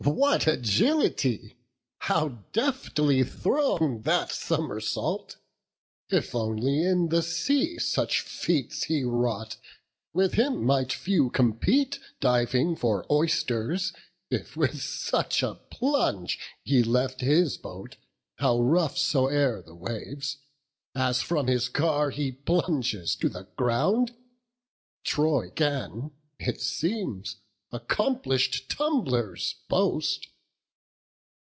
what agility! how deftly thrown That somersault! if only in the sea Such feats he wrought, with him might few compete, Diving for oysters, if with such a plunge He left his boat, how rough soe'er the waves, As from his car he plunges to the ground: Troy can, it seems, accomplish'd tumblers boast."